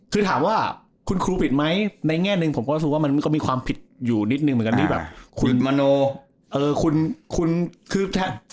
คือถามว่าคุณครูผิดไหมในแง่หนึ่งผมก็รู้สึกว่ามันก็มีความผิดอยู่นิดนึงเหมือนกันที่แบบคุณมโนเออ